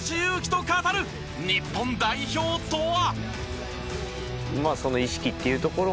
日本代表とは？